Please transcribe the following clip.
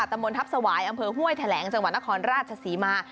ตำบลทัพสวายอำเภอห้วยแถลงจังหวัดนครราชศรีมา